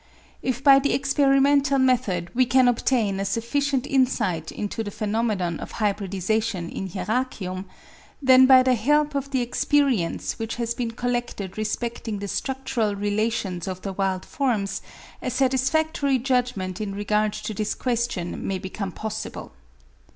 If by the experimental method we can obtain a sufficient insight into the phenomenon of hybridisation in Hieracium, then by the help of the ex perience which has been collected respecting the structural relations of the wild forms, a satisfactory judgment in regard to this question may become possible.